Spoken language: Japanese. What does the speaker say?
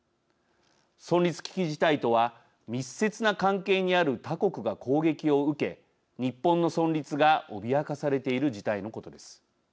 存立危機事態とは密接な関係にある他国が攻撃を受け日本の存立が脅かされている事態のことです。